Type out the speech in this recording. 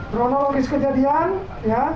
kronologis kejadian ya